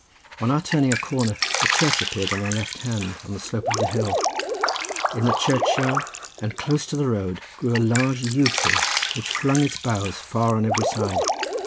On our turning a corner a church appeared on our left hand on the slope of the hill. In the churchyard, and close to the road, grew a large yew tree which flung its boughs far on every side.